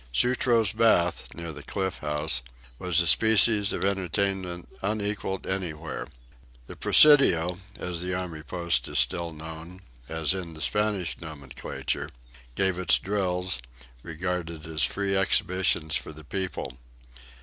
Sutro's bath, near the Cliff House, was a species of entertainment unequaled anywhere. The Presidio, as the army post is still known, as in the Spanish nomenclature, gave its drills, regarded as free exhibitions for the people.